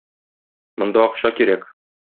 Монда акча кирәк